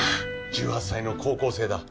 １８歳の高校生だ。